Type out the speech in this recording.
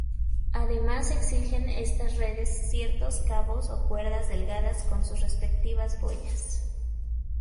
Además exigen estas redes ciertos cabos o cuerdas delgadas con sus respectivas boyas.